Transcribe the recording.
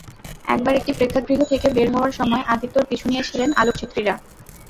একবার একটি প্রেক্ষাগৃহ থেকে বের হওয়ার সময় আদিত্যর পিছু নিয়েছিলেন আলোকচিত্রীরা।